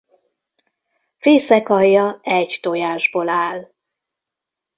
Fészekalja egy tojásból áll.